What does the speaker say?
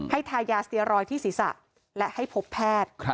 ให้ทายาสเตียรอยด์ที่ศิษย์ศักดิ์และให้พบแพทย์